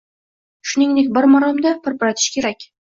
shuningdek bir maromda pirpiratish kerak.